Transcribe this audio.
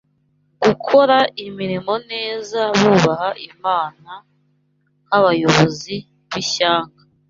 gukora imirimo neza bubaha Imana nk’abayobozi b’ishyanga